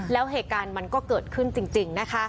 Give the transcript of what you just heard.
แล้วเหตุการณ์มันก็เกิดขึ้นจริงนะคะ